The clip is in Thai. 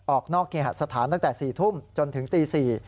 ออกนอกเคหสถานตั้งแต่๔ทุ่มจนถึงตี๔